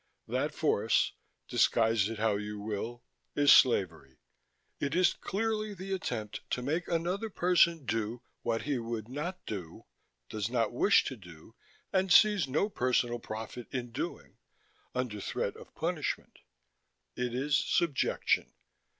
That force disguise it how you will is slavery. It is clearly the attempt to make another person do what he would not do, does not wish to do, and sees no personal profit in doing, under threat of punishment. It is subjection.